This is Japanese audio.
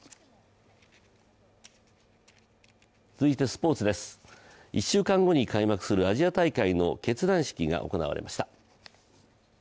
続いてスポーツです、１週間後に開幕するアジア大会の結団式が行われました。